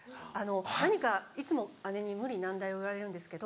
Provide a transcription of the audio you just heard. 何かいつも姉に無理難題を言われるんですけど